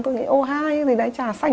tôi nghĩ ô hai trà xanh